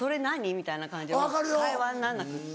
みたいな感じでもう会話にならなくて。